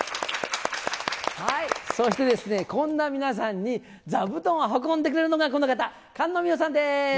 そして、こんな皆さんに、座布団を運んでくれるのがこの方、菅野美穂さんです。